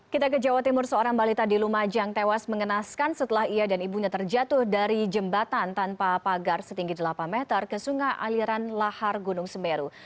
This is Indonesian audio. kita ke jawa timur seorang balita di lumajang tewas mengenaskan setelah ia dan ibunya terjatuh dari jembatan tanpa pagar setinggi delapan meter ke sungai aliran lahar gunung semeru